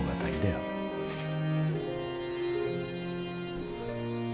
うん。